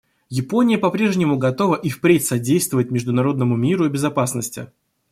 Япония по-прежнему готова и впредь содействовать международному миру и безопасности.